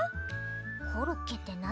コロッケって何？